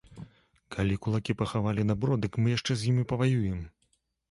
Калі кулакі пахавалі дабро, дык мы яшчэ з імі паваюем!